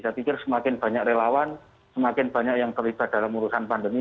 saya pikir semakin banyak relawan semakin banyak yang terlibat dalam urusan pandemi